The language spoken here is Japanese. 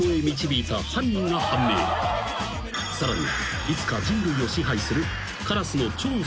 ［さらに］